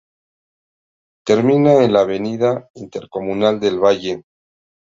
Termina en la Avenida Intercomunal del Valle.